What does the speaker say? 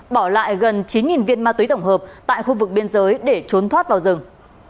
bỏ lại gần chín viên ma túy tổng hợp tại khu vực biên giới để trốn thoát vào rừng